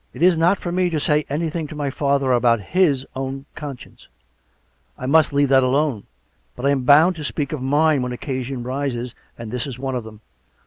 ... It is not for me to say anything to my father about his own conscience; I must leave that alone. But I am bound to speak of mine when occasion rises, and this is one of them.